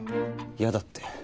嫌だって。